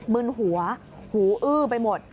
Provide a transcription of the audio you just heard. มึนหัวหูอื้อไปหมด